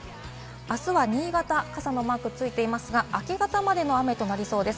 あすは新潟、傘のマークついていますが、明け方までの雨となりそうです。